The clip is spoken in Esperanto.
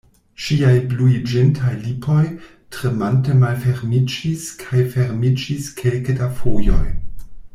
Ŝiaj bluiĝintaj lipoj, tremante malfermiĝis kaj fermiĝis kelke da fojoj.